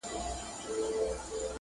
هر یوه وه را اخیستي تومنونه-